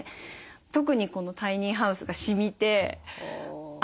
特にこのタイニーハウスがしみてあ